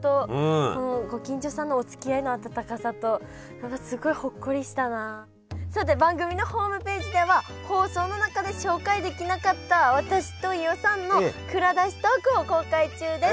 何かさて番組のホームページでは放送の中で紹介できなかった私と飯尾さんの蔵出しトークを公開中です。